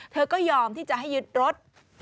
เธอก็ยอมที่จะให้ยึดรถ